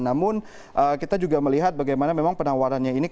namun kita juga melihat bagaimana memang penawarannya ini